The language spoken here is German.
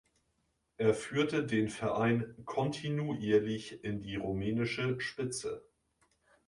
Er führte den Verein kontinuierlich in die rumänische Spitze.